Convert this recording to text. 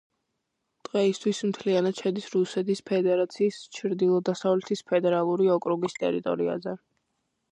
დღეისათვის მთლიანად შედის რუსეთის ფედერაციის ჩრდილო-დასავლეთის ფედერალური ოკრუგის ტერიტორიაზე.